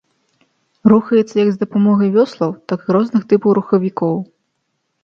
Рухаецца як з дапамогай вёслаў, так і розных тыпаў рухавікоў.